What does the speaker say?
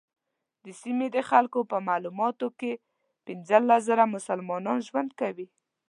د سیمې د خلکو په معلوماتو په کې پنځلس زره مسلمانان ژوند کوي.